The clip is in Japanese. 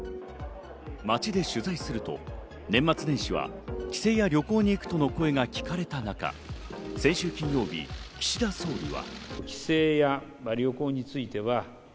街で取材すると年末年始は帰省や旅行に行くとの声が聞かれた中、先週金曜日、岸田総理は。